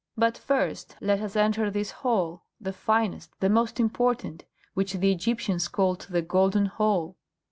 But first let us enter this hall, the finest, the most important, which the Egyptians called the Golden Hall."